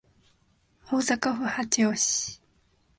大阪府八尾市